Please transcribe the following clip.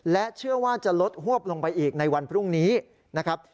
และเชื่อว่าจะลดหวบลงไปอีกในวันพรุ่งนี้นะครับ